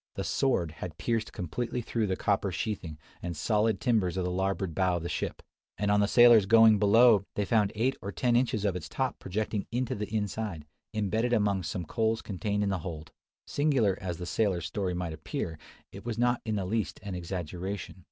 The "sword" had pierced completely through the copper sheathing and solid timbers of the larboard bow of the ship; and on the sailors going below, they found eight or ten inches of its top projecting into the inside, embedded among some coals contained in the hold! Singular as the sailor's story might appear, it was not in the least an exaggeration.